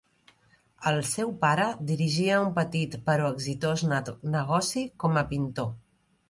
El seu pare dirigia un petit però exitós negoci com a pintor.